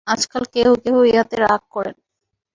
আজকাল কেহ কেহ ইহাতে রাগ করেন।